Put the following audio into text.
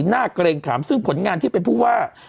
เกรงขามซึ่งผลงานที่เป็นผู้ว่า